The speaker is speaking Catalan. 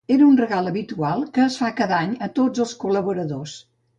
Era un regal habitual, que es fa cada any a tots els col·laboradors.